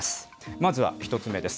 まずは１つ目です。